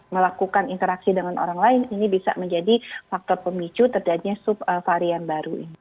melakukan interaksi dengan orang lain ini bisa menjadi faktor pemicu terjadinya subvarian baru ini